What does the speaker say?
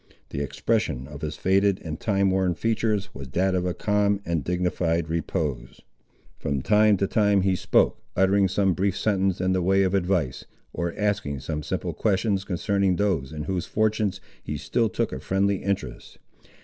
The expression of his faded and time worn features was that of a calm and dignified repose. From time to time he spoke, uttering some brief sentence in the way of advice, or asking some simple questions concerning those in whose fortunes he still took a friendly interest.